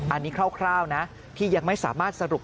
อันนี้คร่าวนะที่ยังไม่สามารถสรุป